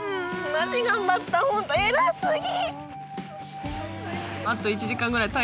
マジ頑張ったホント偉過ぎ！